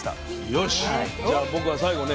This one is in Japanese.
よしじゃあ僕は最後ね